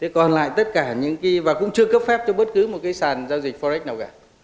còn lại tất cả những cái và cũng chưa cấp phép cho bất cứ một cái sàn giao dịch forex nào cả